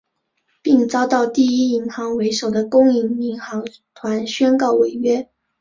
并遭到第一银行为首的公营银行团宣告违约。